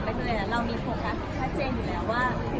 มีสัมพยายามสุดนะช่างแต่หน้า